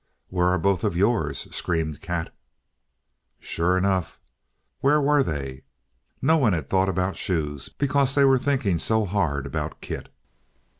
"Where are both of yours?" screamed Kat. Sure enough, where were they? No one had thought about shoes, because they were thinking so hard about Kit.